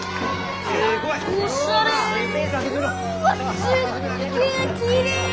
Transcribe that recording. すっげえきれい！